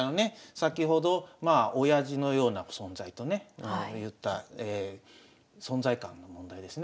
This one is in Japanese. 先ほどおやじのような存在とね言った存在感の問題ですね。